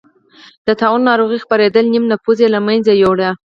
د طاعون ناروغۍ خپرېدل نییم نفوس یې له منځه یووړ.